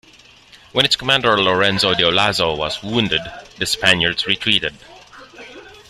When its commander Lorenzo de Olazo was wounded, the Spaniards retreated.